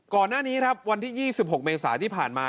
ก่อนหน้านี้ครับวันที่๒๖เมษาที่ผ่านมา